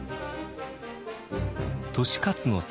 利勝の策